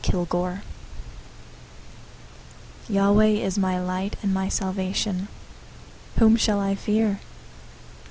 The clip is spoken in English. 027:001 <> Yahweh is my light and my salvation. Whom shall I fear?